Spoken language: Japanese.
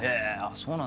そうなんだ。